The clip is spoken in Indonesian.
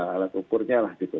alat ukurnya lah gitu